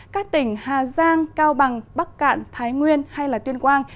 các tỉnh hà giang cao bằng bắc cạn thái nguyên hay tuyên quang